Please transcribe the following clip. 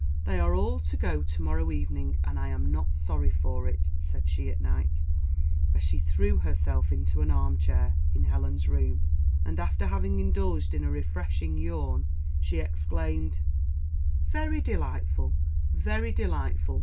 "They are all to go to morrow morning, and I am not sorry for it," said she at night, as she threw herself into an arm chair, in Helen's room; and, after having indulged in a refreshing yawn, she exclaimed, "Very delightful, very delightful!